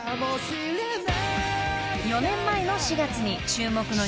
［４年前の４月に番組で］